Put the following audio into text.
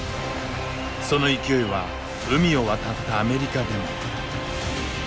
その勢いは海を渡ったアメリカでも。